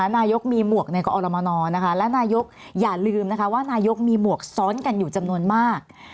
นายกมีหมวกในกอรมนและนายกอย่าลืมนะคะว่านายกมีหมวกซ้อนกันอยู่จำนวนมาก